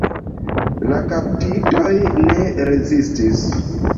La kaptitoj ne rezistis.